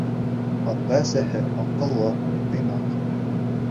Ата-әсәһе аҡыллы, тыйнаҡ.